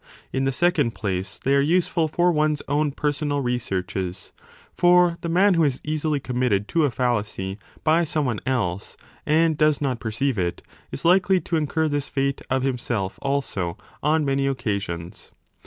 In the second place they are useful for one s own personal researches ; for the man who 10 is easily committed to a fallacy by some one else, and does not perceive it, is likely to incur this fate of himself also on many occasions.